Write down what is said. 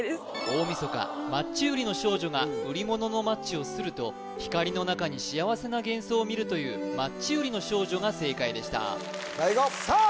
大みそかマッチ売りの少女が売り物のマッチを擦ると光の中に幸せな幻想を見るというマッチうりの少女が正解でしたさあ